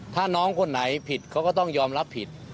ถ้าน้องคนไหนผิดเขาก็ต้องยอมรับผิด